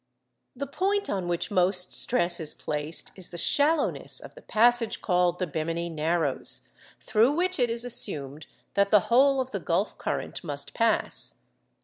The point on which most stress is placed is the shallowness of the passage called the 'Bemini Narrows,' through which it is assumed that the whole of the Gulf current must pass.